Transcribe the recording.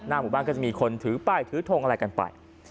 หมู่บ้านก็จะมีคนถือป้ายถือทงอะไรกันไป